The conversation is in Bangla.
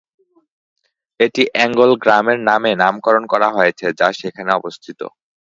এটি অ্যাঙ্গল গ্রামের নামে নামকরণ করা হয়েছে, যা সেখানে অবস্থিত।